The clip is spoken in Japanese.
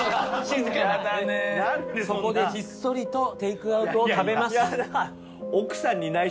そこでひっそりとテイクアウトを食べます。